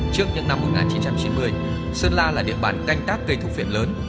trước những năm một nghìn chín trăm chín mươi sơn la là địa bàn canh tác cây thùng phiện lớn